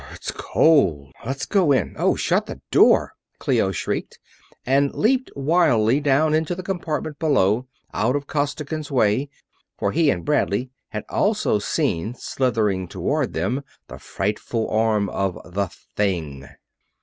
"Br r r, it's cold! Let's go in Oh! Shut the door!" Clio shrieked, and leaped wildly down into the compartment below, out of Costigan's way, for he and Bradley had also seen slithering toward them the frightful arm of the Thing.